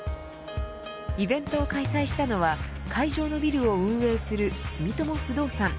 イベントを開催したのは会場のビルを運営する住友不動産。